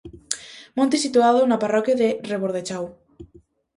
Monte situado na parroquia de Rebordechau.